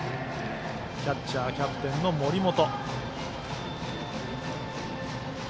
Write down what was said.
キャッチャー、キャプテンの森本。